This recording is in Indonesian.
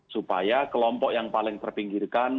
supaya kelompok yang paling terpinggirkan